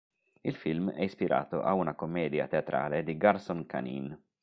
Il film è ispirato a una commedia teatrale di Garson Kanin.